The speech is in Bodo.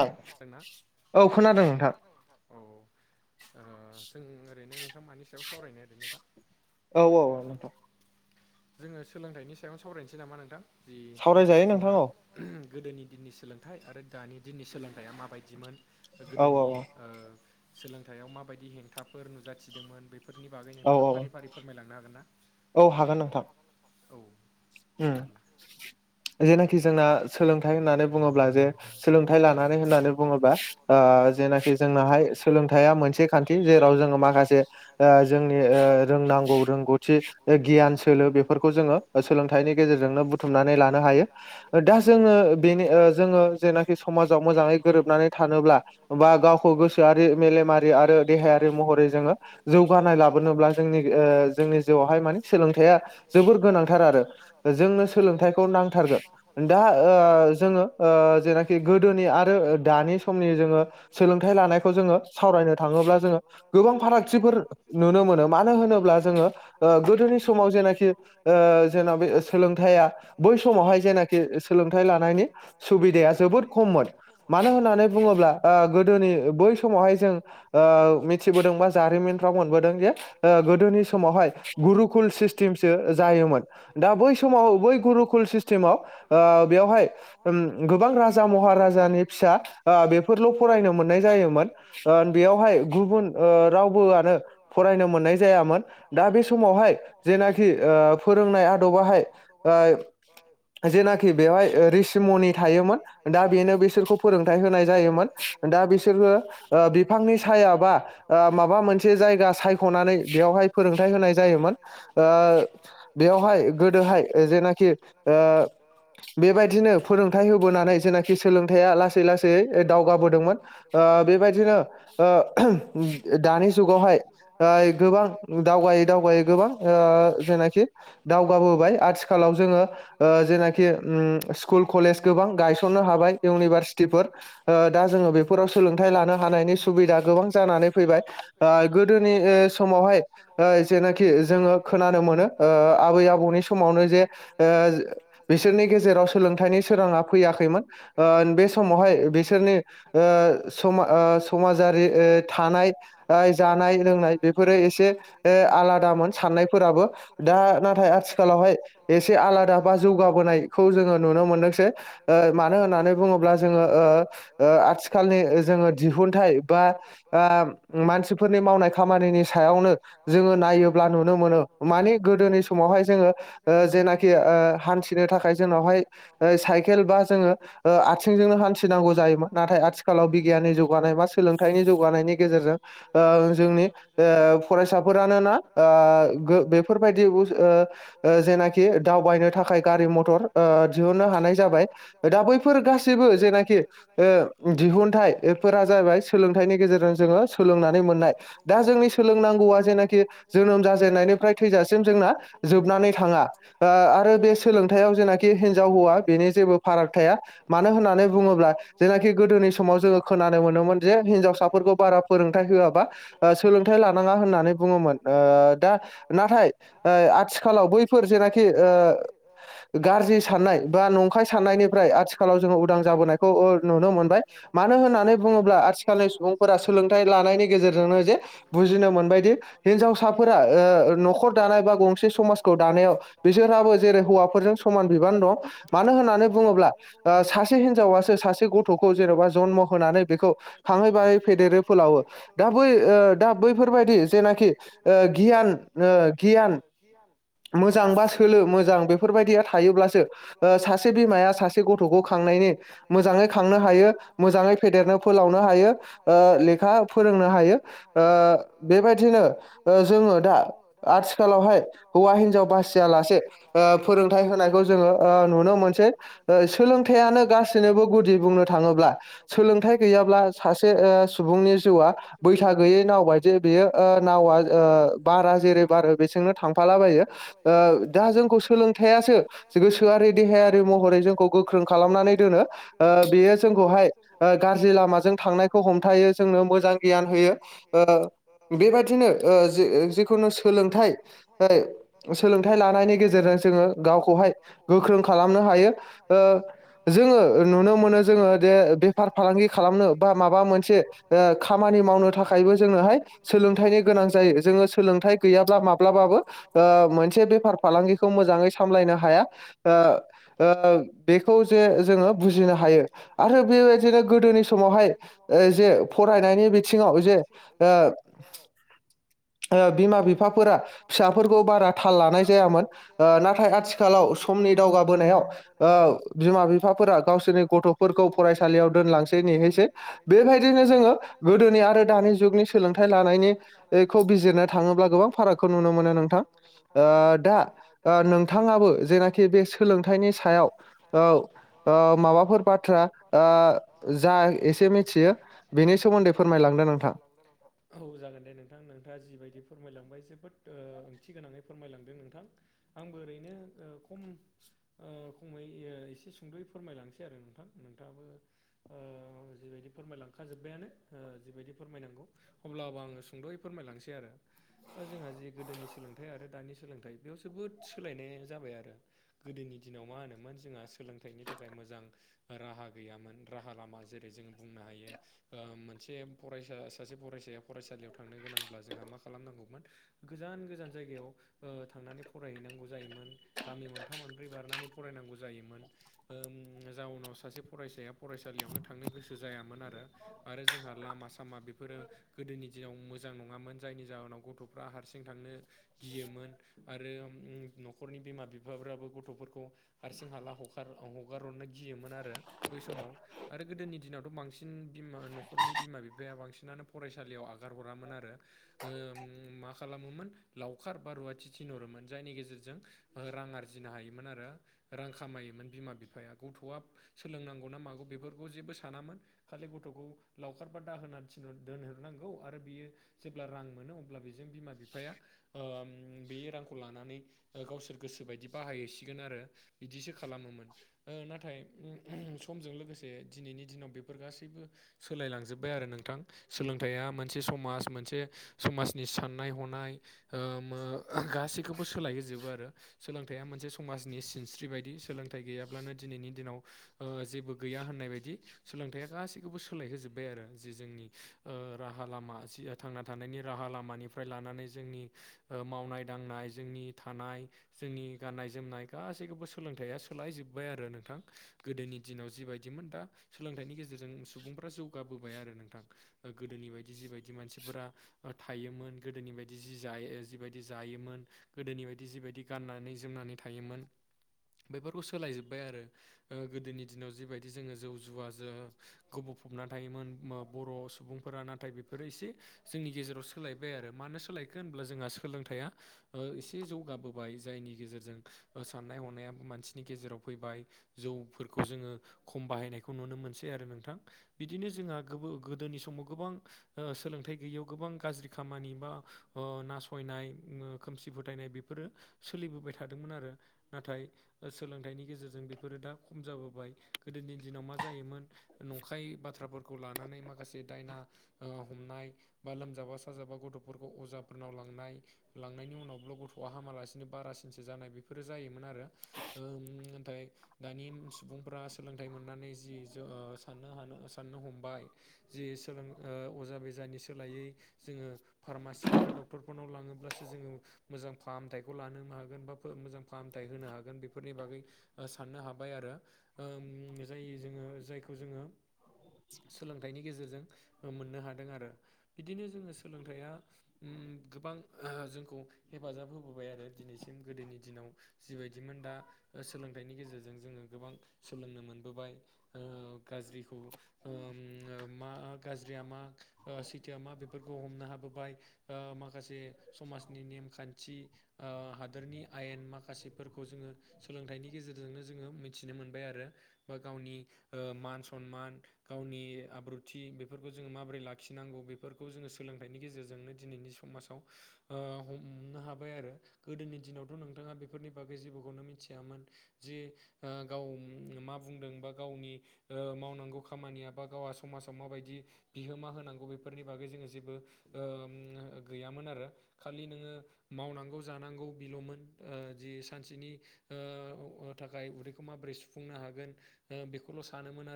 औ नोंथां ना [unintelligible] औ जों ओरैनो नोंथां मानि सायाव सावरायनाय ओरैनो दा औ औ औ नोंथां। जोङो सोलोंथाइनि सायावनो सावरायनोसै नामा नोंथां? जि जोंहा गोदोनि दिननि सोलोंथाइ आरो दानि दिननि सोलोंथाया माबायदिमोन? गोदोनि सोलोंथायाव माबायदि हेंथाफोर नुजाथिदोंमोन बे बेफोरनि बागै नोंथाङा फारि फारि फोरमायलांनो हागोन ना? औ हागोन नोंथां। औ दे अब्ला जेनाखि जोंना सोलोंथाइ होननानै बुङोब्ला जे सोलोंथाइ लानानै होननानै बुङोब्ला? जेनाखि जोंनाहाय सोलोंथाइआ मोनसे खान्थि जेराव जोङो माखासे जोंनि रोंनांगौ रोंगौथि गियान सोलो बेफोरखौ जोङो सोलोंथाइनि गेजेरजोंनो बुथुमनानै लानो हायो। दा जोङो बेनि जोङो जेनाखि समाजाव मोजाङै गोरोबनानै थानोब्ला। बा गावखौ गोसोआरि मेलेमारि आरो देहायारि महरै जोङो जौगानाय लाबोनोब्ला जोंनि जोंनि जिउआवहाय माने सोलोंथाइया जोबोर गोनांथार आरो जोंनो सोलोंथाइखौ नांथारगौ। दा जोङो जेनाखि गोदोनि आरो दानि समनि जोङो सोलोंथाइ लानायखौ जोङो सावरायनो थाङोब्ला जोङो गोबां फारागथिफोर नुनो मोनो मानो होनोब्ला जोङो। गोदोनि समाव जेनाखि जेन' बे सोलोंथाइया बै समाव जेनाखि सोलोंथाइ लानायनि सुबिदाया जोबोद खममोन मानो होननानै बुङोब्ला। गोदोनि बै समावहाय जों मिथिबोदों बा जारिमिनफ्राव मोनबोदों जे गोदोनि समावहाय गुरुकुल सिस्टेमसो जायोमोन। दा बै समाव बै गुरुकुल सिस्टेमा बेयावहाय गोबां राजा महारानि फिसा बेफोरल' फरायनो मोननाय जायोमोन बेयावहाय गुबुन रावबो आनो फरायनो मोननाय जायामोन दा बे समावहाय जेनाखि ओ फोरोंनाय आदबाहाय जे खि बेवहाय रिशि मनि थायोमोन दा बेनो बिसोरखौ फोरोंथायाइ होनाय जायोमोन दा बिसोरखौ बिफांनि सायाबा माबा मोनसे जायगा सायख'नानै बेयावहाय फोरोंथायाइ होनाय जायोमोन। बेयावहाय गोदोहाय जेनाखि बेबायदिनो फोरोंथाइ होबोनानै जेनाखि सोलोंथाइया लासै लासै दावगाबोदोंमोन। बेबायदिनो दानि जुगावहाय गोबां दावगै दावगायोै गोबां जेनाखि दावगाबोबाय आथिखालाव जोंङो जेनाखि स्कुल कलेज गोबां गायसननो हाबाय इउनिभारसिटिफोर दा जोंङो बेफोर फोराव सोलोंथाइ लानो हानायनि सुबिदा गोबां जानानै फैबाय गोदोनि समावहाय जेनाखि जोंङो खोनानो मोनो आबै आबौनि समावनो जे बिसोरनि गेजेराव सोलोंथाइनि सोरांङा फैयाखैमोन बे समावहाय बिसोरनि सम समाजारि थानाय जानाय लोंनाय बेफोरो एसे आलादाम साननायफोराबो दा नाथाय आथिखालावहाय एसे आलादा बा जौगाबोनाय खौ जोंङो नुनो मोनदोंसै मानो होननानै बुंङोब्ला जोंङो आथिखाल आथिखालनि जोंङो दिहुनथाइ बा मानसिफोरनि मावनाय खामानिनि सायावनो जोंङो नायोब्ला नुनो मोनो माने गोदोनि समावहाय जोंङो जेनाखि हान्थिनो थाखाय जोंनावहाय साइकेल बा जोंङो आथिंजोंनो हान्थिनांगौ जायोमोन नाथाय आ आथिखालाव बिगियाननि जौगानाय बा सोलोंथाइनि जौगानायनि गेजेरजों जोंनि फरायसाफोरानो ना बे बेफोरबायदि जेनाखि दावबायनो थाखाय गारि मथर दिहुननो हानाय जाबाय दा बैफोर गाैबो जेनाखि दिहुनथाइ बेफोरा जाहैाय सोलोंथाइनि गेजेरजों जोंङो सोलोंनानै मोननाय दा जोंनि सोलोंनांगौआ जेनाखि जोनोम जाजेननायनिफ्राय थैजासिम जोंना जोबनानै थांङा आरो बे सोलोंथाइ जेनाखि हिनजाव हौवा बेनि जेबो फाराग थाया मानो होननानै बुंङोब्ला जेनाखि गोदोनि समाव जोङो खोनानो मोनोमोन जे हिनजावसाफोरखौ बारा फोरोंथायाइ होआबा सोलोंथाइ लानांङा होननानै बुङोमोन दा नाथाय आथिखालाव बैफोर जेनाखि गाज्रि साननाय बा नंखाय साननायनिफ्राय आथिखालाव जोंङो उदां जाबोनायखौ नुनो मोनबाय मानो होननानै बुंङोब्ला आथिखालनि सुबुंफोरा सोलोंथाइ लानायनि गेजेरजोंनो जे बुजिनो मोनबायदि हिनजावसाफोरा न'खर दानाय बा गंसे समाजखौ दानायाव बिसहाबो जेरै हौवाफोरजों समान बिबान दं मानो होननानै बुंङोब्ला सासे हिनजावासो सासे गथ'खौ जेन'बा जन्म होनानै बेखौ खांहै बायै फेदेरो फोलावो दा बै दा बैफोरबायदि जेनाखि [unintelligible] गियान मोजां बा सोलो मोजां बेफोरबायदिया थायो। जेब्लासो सासे बिमाया सासे गथ'खौ खांनायनि मोजांङै खांनो हायो। मोजाङै फेदेरनो फोलावनो हायो लेखा फोरोंनो हायो। बेबायदिनो जोंङो दा आथिखालावहाय हौवा हिनजाव बासियालासे फोरोंथाइ होनाय जो नुनो मोनसे सोलोंथाइनो गासैनोबो गुदि बुंनो थांङोब्ला सोलोंथाइ गैयाब्ला सासे सुबुंनि जिउआ बैस गैयै नावबाय जे बेयो नावा बारा जेरै बार बेजोंनो थांफालाबायो दा जोंखौ सोलोंथाय गोसोआरि देहायारि महरै जोंखौ गोख्रों खालामनानै दोनो बेयो जोंखौहाय गाज्रि लामाजों थांनायखौ हमथायो जोंनो मोजां गियान होयो बेबादिनो ओ जि जिखुनु सोलो सोलोंथाइ लानायनि गेजेरजों जोङो गाव खौहाय गोख्रों खालामनो हायो ओ जोङो नुनो मोनो जोङोे दे बेफार फालांगि खालामनो बा माबा मोनसे ओ खामानि मावनो थाखायबो जोङोहाय सोलोंथाइनि गोनां जायो जोङो सोलोंथाइ गैया ब्ला माब्लाबाबो ओ मोनसे बेफार फालांगिखौ मोजाङै सामलायनो हाया ओ ओ बेखौ जे जोङो बुजिनो हायो। आरो बेबायदिनो गोदोनि समावहाय ओ जे फरायनायनि बिथिङाव जे ओ ओ बिमा बिफा फोरा फिसाफोरखौ बारा थाल लानाय जायामोन ओ नाथाय आथि थिखालाव समनि दावगाबोनायाव ओ बिमा बिफाफोरा गावसोरनि गथ' फोरखौ फरायसालियाव दोनलांसै नेहैसै बेबायदिनो जोङो गोदोनि आरो दानि जुगनि सोलोंथाइ लानायनिखौ ओइखौ बिजिरनो थाङोब्ला गोबां फारागखौ नुनो मोनो नोंथां ओ दा नों नोंथाङाबो जेनाखि बे सोलोंथाइनि सायाव औ ओ माबाफोर बाथ्रा ओ जा एसे मिथियो बेनि सोमोन्दै फोरमायलांदो नोंथां‌। औ जागोन दे नोंथां नोंथाङा जिबायदि फोरमायलांबाय जोबोद ओ ओंथि गोनाङै फोरमायलांदों नोंथां। आंबो ओरैनो ओ खम ओ खङै एसे सुंद'यै फोरमायलांसै आरो नोंथां नोंथाङाबो ओ जिबायदि फोरमायलांखाजोब्बायानो ओ जिबायदि फोरमायनांगौ। होब्लाबो आङो सुंद'यै फोरमायलांसै आरो दा जोंहा जि गोदोनि सोलोंथाइ आरो दानि सोलोंथाइ बेयाव जोबोद सोलायनाया जाबाय आरो गोदोनि दिनाव मा होनोमोन जोंहा सोलोंथाइनि थाखाय मोजां राहा गैयामोन राहा लामा जेरै जों बुंनो हायो ओ मोनसे फरायसा सासे फरायसाया फरायसालियाव थांनो गोनांब्ला जोंहा मा खालामनांगौमोन गोजान गोजान जायगायाव ओ थांनानै फरायहैनांगौ जायोमोन गामि मोनथाम मोनब्रै बारनानै फरायनांगौ जायोमोन। ओम जाउनाव सासे फरायसाया फरायसालियावनो थांनो गोसो जायामोन आरो आरो जोंहा लामा सामा बेफोरो गोदोनि दिनाव मोजां नङामोन जायनि जाहोनाव गथ'फ्रा हारसिं थांनो गियोमोन आरो नखरनि बिमा बिफाफ्राबो गथ'फोरखौ हारसिं हाला हगार हरनो गियोमोन आरो बै समाव। आरो गोदोनि दिनावथ' बांसिन बिमा नखरनि बिमा बिफाया बांसिनानो फरायसालियाव आगार हरामोन आरो। ओम मा खालामोमोन लावखार बा रुवाथि थिनहरोमोन जायनि गेजेर जों रां आरजिनो हायोमोन आरो रां खामायोमोन बिमा बिफाया गथ'आ सोलोंनांगौ ना मागौ बेफोरखौ जेबो सानामोन। खालि गथ'खौ लावखारबा दाहोना थिन दोनहरनांगौ आरो बियो जेब्ला रां मोनो अब्ला बेजों बिमा बिफाया ओम बे रांखौ लानानै गावसोर गोसो बायदि बाहायहैसिगोन आरो इदिसो खालामोमोन‌। ओ नाथाय समजों लोगोसे दिनैनि दिनाव बेफोर गासैबो सोलायलांजोब्बाय आरो नोंथां। सोलोंथाइया मोनसे समाज मोनसे समाजनि साननाय हनाय ओ मो गासैखौबो सोलायहोजोबो आरो सोलोंथाइया मोनसे समाजनि सिनस्रि बायदि सोलोंथाइ गैयाब्लानो दिनैनि दिनाव ओ जे बो गैया होननाय बायदि सोलोंथाइया गासिखौबो सोलायहोजोब्बाय आरो जि जोंनि ओ राहा लामा जि थांना थानायनि राहा लामानिफ्राय लानानै जोंनि ओ मावनाय दांनाय जोंनि थानाय जोंनि गाननाय जोमनाय गासैखौबो सोलोंथाइया सोलाय जोब्बाय आरो नोंथां गोदोनि दिनाव जिबायदिमोन दा सोलोंथाइनि गेजेरजों सुबुंफ्रा जौगाबोबाय आरो नोंथां। गोदोनि बायदि जिबायदि मानसिफोरा ओ थायोमोन गोदोनि बायदि जि जायो जिबायदि जायोमोन गोदोनि बायदि जिबायदि गाननानै जोमनानै थायोमोन बेफोरखौ सोलाय जोबबाय आरो ओ गोदोनि दिनाव जिबायदि जोङो जौ जुवाजों गोबफबना थायोमोन बर' सुबुंफोरा नाथाय बेफोरो एसे जोंनि गेजेराव सोलायबाय आरो मानो सोलायखो होनब्ला जोंहा सोलोंथाइआ ओ एसे जौ गाबोबाय जायनि गेजेरजों ओ साननाय हनाया मानसिनि गेजेराव फैबाय जौफोरखौ जोङो खम बाहायनायखौ नुनो मोनसै आरो नोंथां बिदिनो जोंहा गोबो गोदोनि समाव गोबां ओ सोलोंथाइ गैयैयाव गोबां गाज्रि खामानि बा नासयनाय खोमसि फोथायनाय बे फोरो सोलिबोबाय थादोंमोन आरो नाथाय सोलोंथाइनि गेजेरजों बेफोरो दा खम जाबोबाय गोदोनि दिनाव मा जायोमोन नंखाय बाथ्राफोरखौ लानानै माखासे दायना ओ हमनाय बा लोमजाबा साजाबा गथ'फोरखौ अजाफोरनाव लांनाय लांनायनि उनावबो गथ'आ हामालासिनो बारासिनसो जानाय बेफोरो जायोमोन आरो ओ उम नाथाय दानि सुबुंफ्रा सोलोंथाइ मोननानै जि जो ओ साननो हानो साननो हमबाय जे सोलों ओ अजा बेजानि सोलायै जोङो फार्मासि बा डक्टरफोरनाव लाङोब्लासो जोङो फाहामथायाइखौ लानो हागोन बा मोजां फाहामथाय होनो हागोन बेफोरनि बागै ओ साननो हाबाय आरो ओ जाय जोङो जायखौ जोङो सोलोंथाइनि गेजेरजों ओ मोननो हादों आरो बिदिनो जोङो सोलोंथाइया उम गोबां ओ जोंखौ हेफाजाब होबोबाय आरो दिनैसिम गोदोनि दिनाव जिबायदिमोन दा ओ सोलोंथाइनि गेजेरजों जोङो गोबां सोलोंनो मोनबोबाय ओ गाज्रिखौ ओ उम ओ मा ओ गाज्रिया मा सैथोआ मा बेफोरखौ हमनो हाबोबाय ओ माखासे समाजनि नेमखान्थि ओ हादोरनि आयेन माखासेफोरखौ जोङो सोलोंथाइनि गेजेरजोंनो जोङो मिथिनो मोनबाय आरो बा गावनि ओ मान सनमान गावनि आब्रुथि बेफोरखौ जोङो माबोरै लाखिनांगौ बेफोरखौ जोङो सोलोंथाइनि गेजेरजोंनो दिनैनि समाजाव ओ हमनो हा बाय आरो गोदोनि दिनावथ' नोंथाङा बेफोरनि बागै जेबोखौनो मिथियामोन जे ओ गाव मा बुंदों बा गावनि ओ मावनांगौ खामानिया बा गावहा समाजाव माबायदि बिहोमा होनांगौ बेफोरनि बागै जोङो जेबो ओ उम ओ गैयामोन आरो खालि नोङो मावनांगौ जानांगौ बिल'मोन जि सानसेनि ओ थाखाय उदैखौ माबोरै सुफुंनो हागोन ओ बेखौल' सानोमोन आरो।